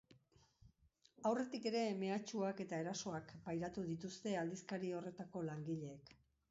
Aurretik ere mehatxuak eta erasoak pairatu dituzte aldizkari horretako langileek.